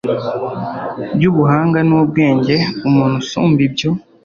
y'ubuhanga n'ubwenge, muntu usumba ibyo